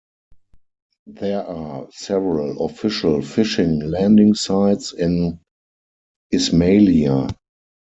There are several official fishing landing sites in Ismailia.